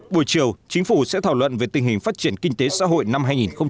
buổi chiều chính phủ sẽ thảo luận về tình hình phát triển kinh tế xã hội năm hai nghìn một mươi tám